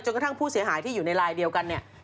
กระทั่งผู้เสียหายที่อยู่ในลายเดียวกันเนี่ย